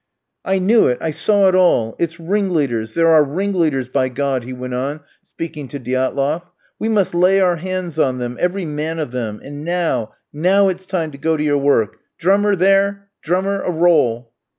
"I knew it, I saw it all. It's ringleaders, there are ringleaders, by God," he went on, speaking to Diatloff. "We must lay our hands on them, every man of them. And now now it's time to go to your work. Drummer, there; drummer, a roll!"